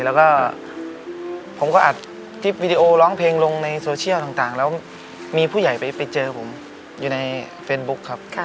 แล้วก็ผมก็อัดคลิปวิดีโอร้องเพลงลงในโซเชียลต่างแล้วมีผู้ใหญ่ไปเจอผมอยู่ในเฟซบุ๊คครับ